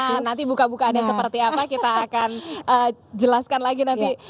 nah nanti buka bukaannya seperti apa kita akan jelaskan lagi nanti